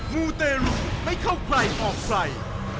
มูตร์เตรียมไม่เข้าใกล้ออกใกล้